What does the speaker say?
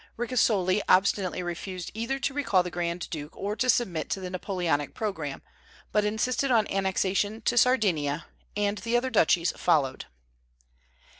Ricasoli obstinately refused either to recall the grand duke or to submit to the Napoleonic programme, but insisted on annexation to Sardinia; and the other duchies followed.